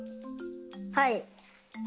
はい。